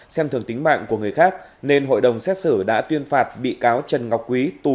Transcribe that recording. xem thường tính mạng của người khác nên hội đồng xét xử đã tuyên phạt bị cáo trần ngọc quý